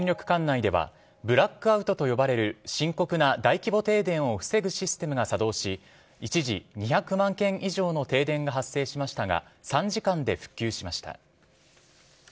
管内ではブラックアウトと呼ばれる深刻な大規模停電を防ぐシステムが作動し一時、２００万軒以上の停電が発生しましたが３時間で復旧しました。